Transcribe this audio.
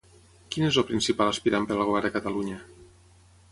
Quin és el principal aspirant per al govern de Catalunya?